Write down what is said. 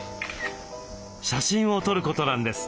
写真を撮ることなんです。